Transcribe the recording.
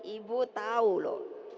ibu tau lo